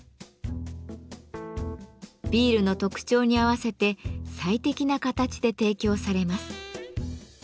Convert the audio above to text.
ビールの特徴に合わせて最適な形で提供されます。